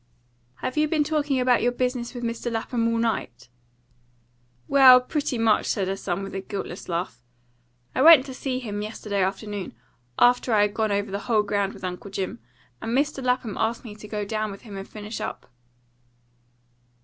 "Have you been talking about your business with Mr. Lapham all night?" "Well, pretty much," said her son, with a guiltless laugh. "I went to see him yesterday afternoon, after I had gone over the whole ground with Uncle Jim, and Mr. Lapham asked me to go down with him and finish up."